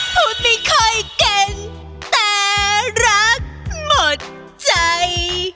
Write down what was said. พูดไม่ค่อยเก่งแต่รักหมดใจ